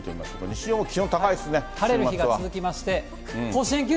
西日本、気温高いですね。